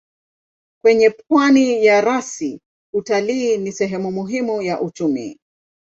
Kwenye pwani ya rasi utalii ni sehemu muhimu ya uchumi.